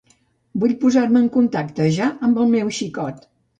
Vull posar-me en contacte ja amb el meu xicot.